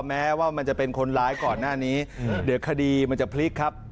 แม้ว่ามันจะเป็นคนร้ายก่อนหน้านี้เดี๋ยวคดีมันจะพลิกครับ